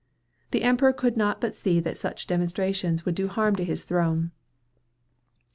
The Emperor could not but see that such demonstrations would do harm to his throne.